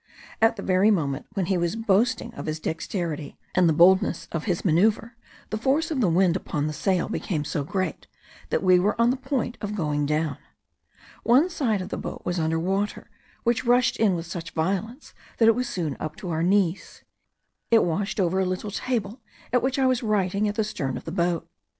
At the very moment when he was boasting of his dexterity, and the boldness of his manoeuvre, the force of the wind upon the sail became so great that we were on the point of going down. One side of the boat was under water, which rushed in with such violence that it was soon up to our knees. It washed over a little table at which I was writing at the stern of the boat.